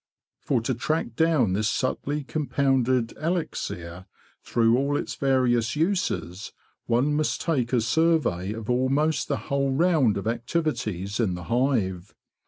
For to track down this subtly compounded elixir through all its various uses one must take a survey of almost the whole round of activities in the hive.